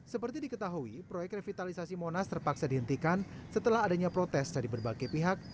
seperti diketahui proyek revitalisasi monas terpaksa dihentikan setelah adanya protes dari berbagai pihak